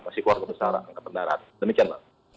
masih keluarga besar angkatan darat demikian mbak